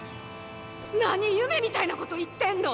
何夢みたいなこと言ってんの！